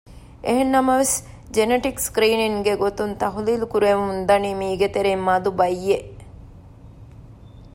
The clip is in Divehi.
އެހެންނަމަވެސް ޖެނެޓިކް ސްކްރީނިންގ ގެ ގޮތުން ތަޙުލީލު ކުރެވެމުންދަނީ މީގެތެރެއިން މަދު ބައްޔެއް